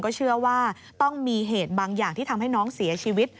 ก็เชื่อว่าต้องมีเหตุบางอย่างที่ทำให้น้องเสียชีวิต